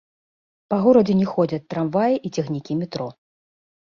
Па горадзе не ходзяць трамваі і цягнікі метро.